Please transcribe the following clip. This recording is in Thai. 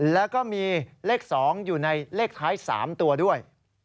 แล้วก็มีเลข๒อยู่ในเลขท้าย๓ตัวด้วย